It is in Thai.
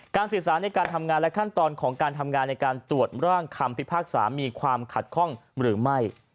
สื่อสารในการทำงานและขั้นตอนของการทำงานในการตรวจร่างคำพิพากษามีความขัดข้องหรือไม่